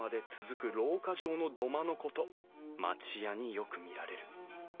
町家によく見られる。